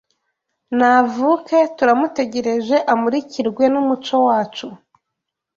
navuke turamutegereje amurikirwe n’umuco wacu